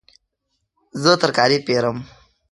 زه ترکاري پیرم